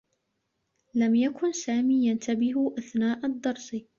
لم يكن سامي ينتبه أثناء الدّرس.